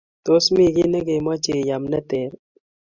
tos mi gii ne kemache iam ne ter